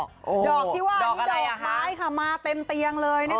ดอกที่ว่านี่ดอกไม้ค่ะมาเต็มเตียงเลยนะคะ